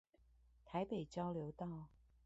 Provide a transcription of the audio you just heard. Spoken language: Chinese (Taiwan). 臺北交流道